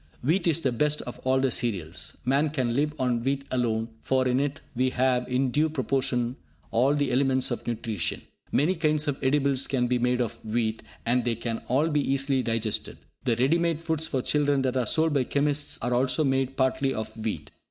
Wheat is the best of all the cereals. Man can live on wheat alone, for in it we have in due proportion all the elements of nutrition. Many kinds of edibles can be made of wheat, and they can all be easily digested. The ready made foods for children that are sold by chemists are also made partly of wheat.